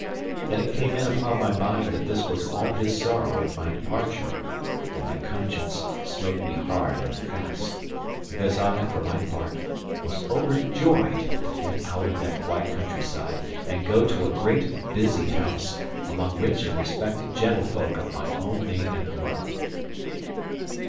Then it came in upon my mind that this was all his sorrow at my departure; and my conscience smote me hard and fast, because I, for my part, was overjoyed to get away out of that quiet country side, and go to a great, busy house, among rich and respected gentlefolk of my own name and blood.